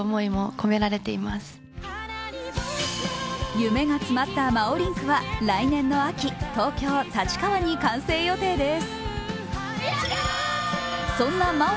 夢が詰まったＭＡＯＲＩＮＫは来年の秋、東京・立川に完成予定です。